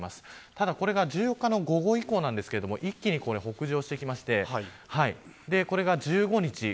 ただこれが１４日の午後以降ですが一気に北上してきましてこれが１５日